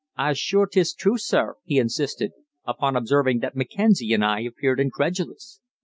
"I's sure 'tis true, sir," he insisted, upon observing that Mackenzie and I appeared incredulous.